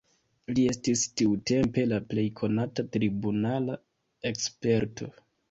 Li estis tiutempe la plej konata tribunala eksperto.